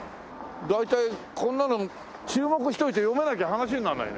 大体こんなの注目しといて読めなきゃ話にならないね。